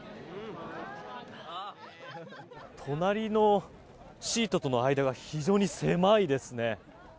隣のシートとの間が非常に狭いですね。